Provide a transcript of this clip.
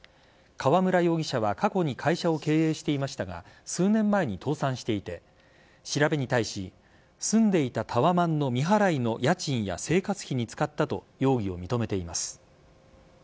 川村容疑者は過去に会社を経営していましたが数年前に倒産していて調べに対し住んでいたタワマンの未払いの家賃や生活費に使ったと容疑を認めています。